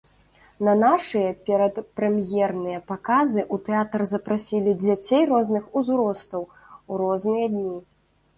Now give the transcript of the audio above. На нашыя перадпрэм'ерныя паказы ў тэатр запрасілі дзяцей розных узростаў, у розныя дні.